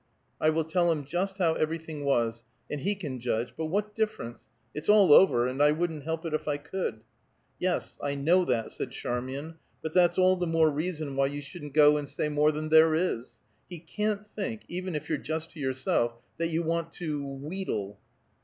"I will tell him just how everything was, and he can judge. But what difference? It's all over, and I wouldn't help it if I could." "Yes, I know that," said Charmian, "but that's all the more reason why you shouldn't go and say more than there is. He can't think, even if you're just to yourself, that you want to wheedle."